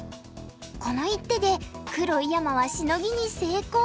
この一手で黒井山はシノギに成功。